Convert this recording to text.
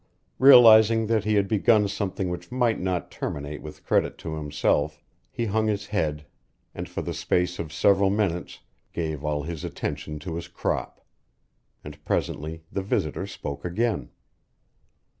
Realizing that he had begun something which might not terminate with credit to himself, he hung his head and for the space of several minutes gave all his attention to his crop. And presently the visitor spoke again.